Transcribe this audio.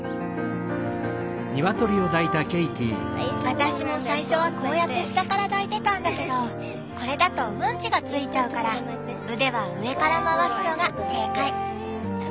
私も最初はこうやって下から抱いてたんだけどこれだとウンチが付いちゃうから腕は上から回すのが正解。